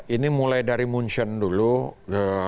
ini mulai dari munsion dulu ke terorisme di eropa